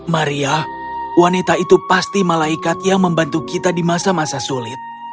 maria wanita itu pasti malaikat yang membantu kita di masa masa sulit